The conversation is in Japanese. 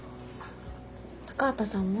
高畑さんも？